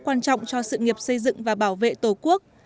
quan trọng cho sự nghiệp xây dựng và bảo vệ tổ quốc